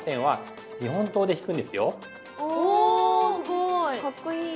おすごい！